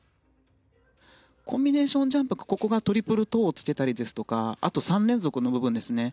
コンビネーションジャンプがトリプルトウをつけたりですとかあと３連続の部分ですね。